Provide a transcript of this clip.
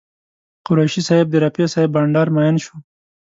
قریشي صاحب د رفیع صاحب بانډار مین شو.